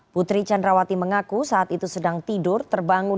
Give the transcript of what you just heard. putri candrawati mengaku saat itu sedang tidur terbangun